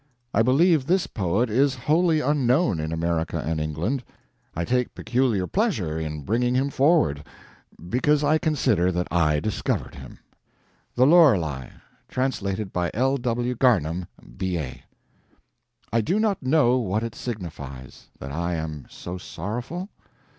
I believe this poet is wholly unknown in America and England; I take peculiar pleasure in bringing him forward because I consider that I discovered him: THE LORELEI Translated by L. W. Garnham, B.A. I do not know what it signifies. That I am so sorrowful?